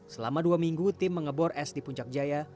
selama dua minggu tim mengebor es di puncak jaya